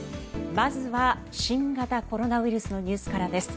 まずは新型コロナウイルスのニュースからです。